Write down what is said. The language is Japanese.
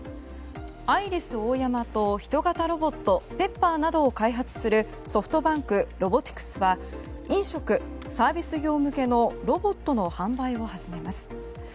アイリスオーヤマとヒト型ロボットＰｅｐｐｅｒなどを開発するソフトバンクロボティクスは飲食・サービス業向けのロボットの販売を始めます。